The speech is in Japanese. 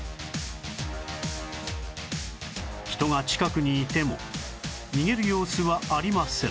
人が近くにいても逃げる様子はありません